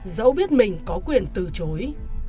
dẫu biết mình có quyền từ chối